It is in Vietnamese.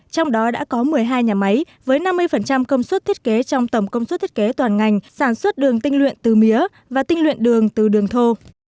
trong đó đã có một mươi hai nhà máy với năm mươi công suất thiết kế trong tổng công suất thiết kế toàn ngành sản xuất đường tinh luyện từ mía và tinh luyện đường từ đường thô